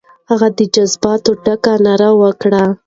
هغه د جذبې ډکه ناره وکړه.